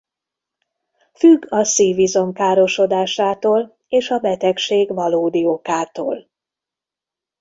Függ a szívizom károsodásától és a betegség valódi okától.